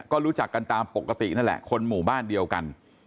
ก็รู้จักกันตามปกตินั่นแหละคนหมู่บ้านเดียวกัน